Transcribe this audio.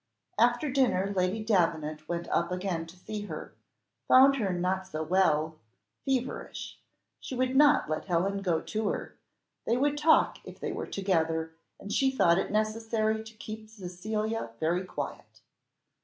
After dinner Lady Davenant went up again to see her, found her not so well feverish; she would not let Helen go to her they would talk if they were together, and she thought it necessary to keep Cecilia very quiet.